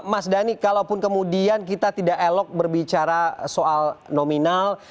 mas dhani kalaupun kemudian kita tidak elok berbicara soal nominal